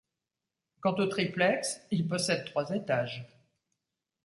Quant au triplex, il possède trois étages.